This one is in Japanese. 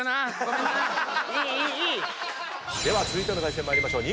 では続いての対戦参りましょう。